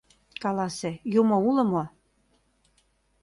— Каласе: юмо уло мо?